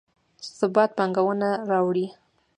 ثبات پانګونه راوړي